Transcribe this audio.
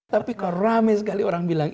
tapi kalau ramai sekali orang bilang